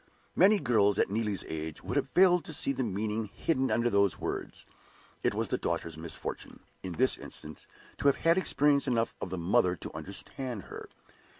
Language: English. Many girls at Neelie's age would have failed to see the meaning hidden under those words. It was the daughter's misfortune, in this instance, to have had experience enough of the mother to understand her.